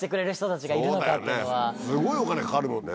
すごいお金かかるもんね。